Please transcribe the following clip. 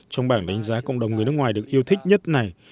trong bảng đánh giá cộng đồng người nước ngoài được yêu thích nhất này